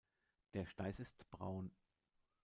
Der Steiß ist braun.